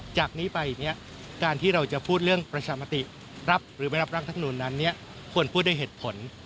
จากนี้ไปเนี่ยการที่เราจะพูดเรื่องประชามติรับหรือไม่รับร่างธรรมนูลนั้นควรพูดด้วยเหตุผล